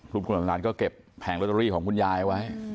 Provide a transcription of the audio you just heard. คุณหลานก็เก็บแผงลอตเตอรี่ของคุณยายไว้